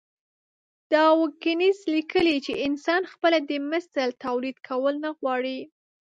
ډاوکېنز ليکلي چې انسان خپله د مثل توليد کول نه غواړي.